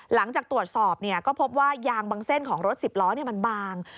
หลังจากตรวจสอบก็พบว่ายางบางเส้นของรถ๑๐ล้อมันบาง